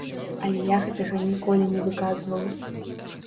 Але я гэтага ніколі не выказваў.